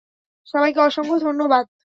সবাইকে অসংখ্য ধন্যবাদ।